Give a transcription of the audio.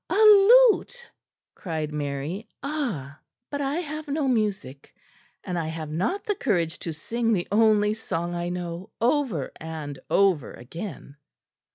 "A lute!" cried Mary. "Ah! but I have no music; and I have not the courage to sing the only song I know, over and over again."